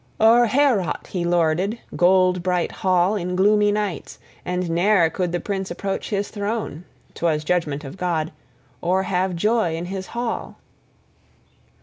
O'er Heorot he lorded, gold bright hall, in gloomy nights; and ne'er could the prince {2d} approach his throne, 'twas judgment of God, or have joy in his hall.